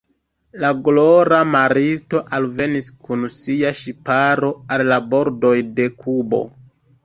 La glora maristo alvenis kun sia ŝiparo al la bordoj de Kubo.